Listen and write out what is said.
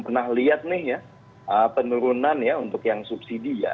pernah lihat nih ya penurunan ya untuk yang subsidi ya